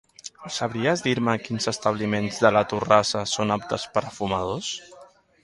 Sabries dir-me quins establiments de la Torrassa són aptes per a fumadors?